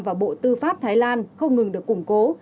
và bộ tư pháp thái lan không ngừng được củng cố